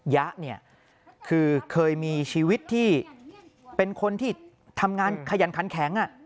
ยะเนี่ยคือเคยมีชีวิตที่เป็นคนที่ทำงานขยันขันแข็ง